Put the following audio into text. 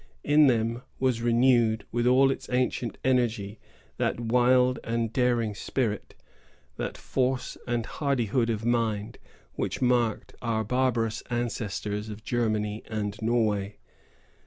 In them was renewed, with all its ancient energy, that wild and daring spirit, that force and hardihood of mind, which marked our barbarous ancestors of Germany and Norway.